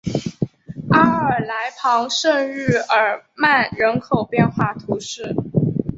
阿尔来旁圣日耳曼人口变化图示